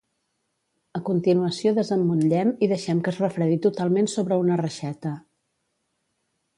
A continuació desemmotllem i deixem que es refredi totalment sobre una reixeta.